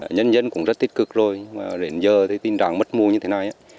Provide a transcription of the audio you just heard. nhân dân cũng rất tích cực rồi mà đến giờ thì tình trạng mất mùa như thế này